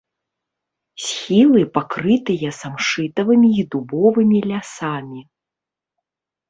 Схілы пакрытыя самшытавымі і дубовымі лясамі.